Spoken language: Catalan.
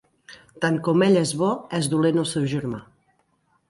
Tant com ell és bo, és dolent el seu germà.